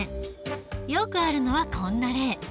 よくあるのはこんな例。